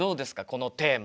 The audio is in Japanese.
このテーマ。